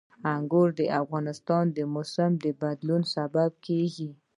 انګور د افغانستان د موسم د بدلون سبب کېږي.